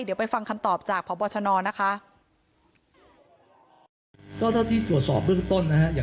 เดี๋ยวไปฟังคำตอบจากพบชนนะคะ